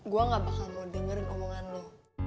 gue gak bakal mau dengerin omongan lo